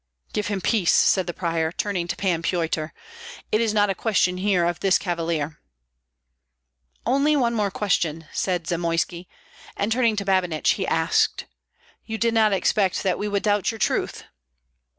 "Give him peace," said the prior, turning to Pan Pyotr. "It is not a question here of this cavalier." "Only one more question," said Zamoyski; and turning to Babinich, he asked, "You did not expect that we would doubt your truth?"